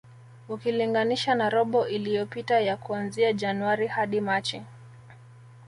Ukilinganisha na robo iliyopita ya kuanzia Januari hadi Machi